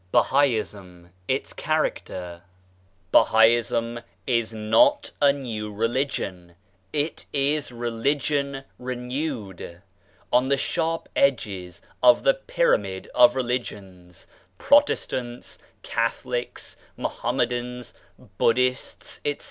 I BAHAISM— ITS CHARACTER Bahaism is not a new religion; it is Religion renewed. On the sharp edges of the pyramid of religions, Protestants, Catholics, Muhammadans, Buddhists, etc.